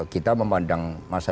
kita memandang masa